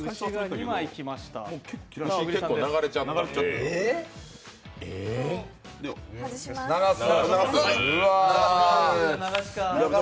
結構流れちゃったんで。